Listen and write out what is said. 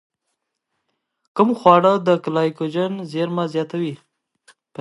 کوم خواړه د ګلایکوجن زېرمه زیاتوي؟